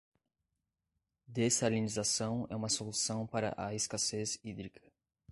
Dessalinização é uma solução para a escassez hídrica